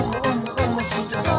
おもしろそう！」